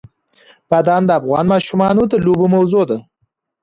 بادام د افغان ماشومانو د لوبو موضوع ده.